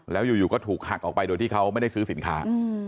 แล้วอยู่ก็ถูกหักออกไปโดยที่เขาไม่ได้ซื้อสินค้า